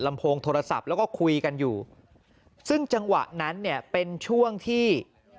โพงโทรศัพท์แล้วก็คุยกันอยู่ซึ่งจังหวะนั้นเนี่ยเป็นช่วงที่